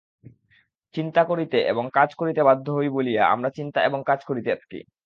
চিন্তা করিতে এবং কাজ করিতে বাধ্য হই বলিয়া আমরা চিন্তা এবং কাজ করিয়া থাকি।